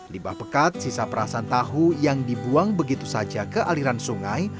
limbah pekat sisa perasan tahu yang dibuang begitu saja ke aliran sungai